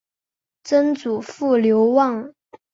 曾祖父刘旺。